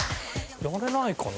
やれないかな？